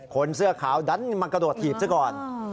คนเสื้อขาวดันมากระโดดถีบซะก่อน